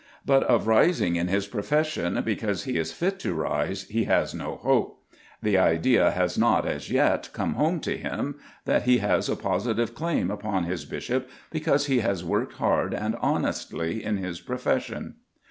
But of rising in his profession because he is fit to rise he has no hope. The idea has not, as yet, come home to him that he has a positive claim upon his bishop because he has worked hard and honestly in his profession.